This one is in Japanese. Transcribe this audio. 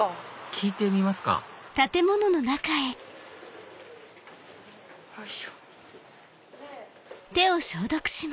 聞いてみますかよいしょ。